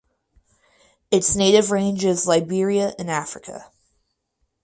Its native range is Liberia in Africa.